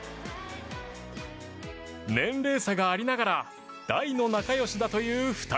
年齢差がありながら大の仲よしだという２人。